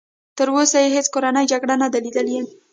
تر اوسه یې هېڅ کورنۍ جګړه نه ده لیدلې.